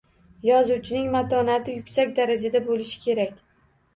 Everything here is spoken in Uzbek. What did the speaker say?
Yozuvchining matonati yuksak darajada boʻlishi kerak